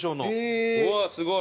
うわっすごい！